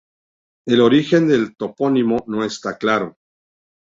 El origen del topónimo no está claro.